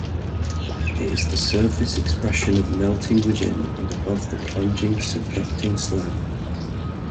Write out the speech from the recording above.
It is the surface expression of melting within and above the plunging subducting slab.